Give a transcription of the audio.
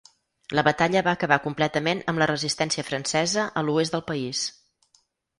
La batalla va acabar completament amb la resistència francesa a l'oest del país.